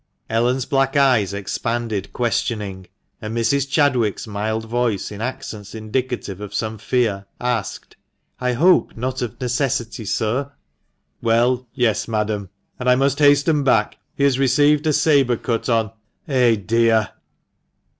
Ellen's black eyes expanded questioning, and Mrs. Chadwick's mild voice, in accents indicative of some fear, asked — "I hope not of necessity, sir?" " Well, yes, madam ; and I must hasten back ; he has received a sabre cut on Eh, dear!"